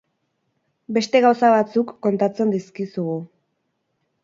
Beste gauza batzuk kontatzen dizkizugu.